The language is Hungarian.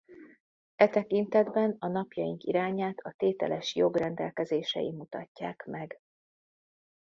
E tekintetben napjaink irányát a tételes jog rendelkezései mutatják meg.